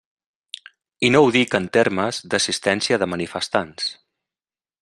I no ho dic en termes d'assistència de manifestants.